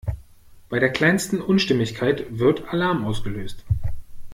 Bei der kleinsten Unstimmigkeit wird Alarm ausgelöst.